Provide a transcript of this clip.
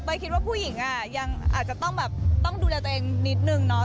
คิดว่าผู้หญิงอ่ะยังอาจจะต้องแบบต้องดูแลตัวเองนิดนึงเนาะ